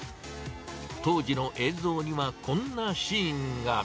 当時の映像にはこんなシーンが。